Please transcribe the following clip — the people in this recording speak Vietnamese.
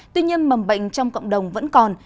tuy nhiên mầm bệnh trong cộng đồng vẫn còn